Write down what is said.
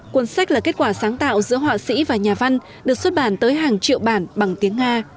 cuốn sách là kết quả sáng tạo giữa họa sĩ và nhà văn được xuất bản tới hàng triệu bản bằng tiếng nga